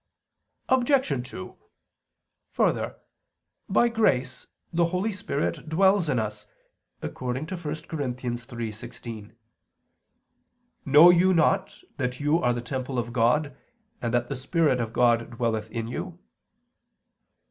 Obj. 2: Further, by grace the Holy Spirit dwells in us, according to 1 Cor. 3:16: "Know you not that you are the temple of God, and that the Spirit of God dwelleth in you?"